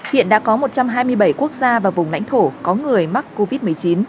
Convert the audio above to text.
hiện đã có một trăm hai mươi bảy quốc gia và vùng lãnh thổ có người mắc covid một mươi chín